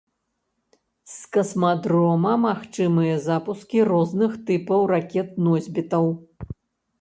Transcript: З касмадрома магчымыя запускі розных тыпаў ракет-носьбітаў.